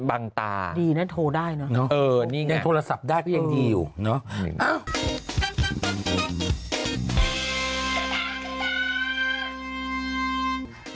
มันบังตาดีนะโทรได้เนอะเนี่ยโทรศัพท์ได้ก็ยังดีอยู่เนอะนี่ไง